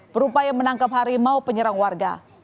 berupaya menangkap harimau penyerang warga